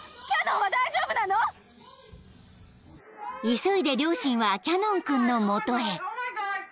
・・［急いで両親はキャノン君の元へ］